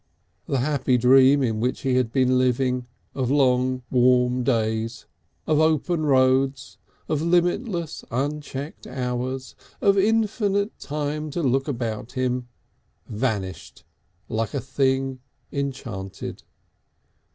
The happy dream in which he had been living of long warm days, of open roads, of limitless unchecked hours, of infinite time to look about him, vanished like a thing enchanted.